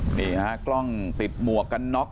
สุดท้ายเนี่ยขี่รถหน้าที่ก็ไม่ยอมหยุดนะฮะ